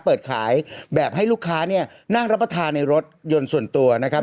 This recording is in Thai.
เปิดขายแบบให้ลูกค้าเนี่ยนั่งรับประทานในรถยนต์ส่วนตัวนะครับ